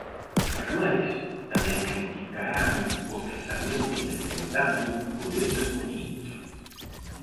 Ademais, tamén criticarán o cesamento de Cendán por estes motivos.